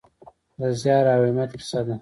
د زیار او همت کیسه ده.